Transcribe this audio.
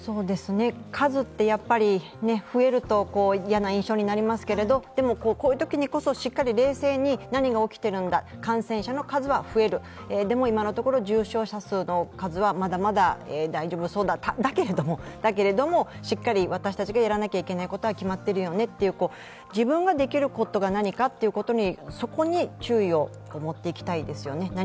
数って、やっぱり増えると嫌な印象になりますけど、でも、こういうときこそ、しっかり冷静に、何が起きているんだ、感染者の数は増える、でも今のところ重症者数はまだまだ大丈夫そうだけれども、しっかり私たちがやらなきゃいけないことは決まっているよねという自分ができることが何かということに、そこに注意を持っていきたいですよね。